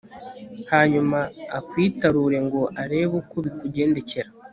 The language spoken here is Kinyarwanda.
hanyuma akwitarure ngo arebe uko bikugendekera